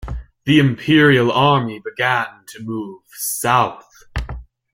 The Imperial army began to move south.